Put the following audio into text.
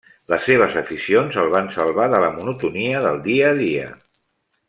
Les seves aficions el van salvar de la monotonia del dia a dia.